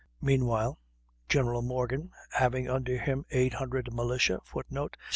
Meanwhile General Morgan, having under him eight hundred militia [Footnote: 796.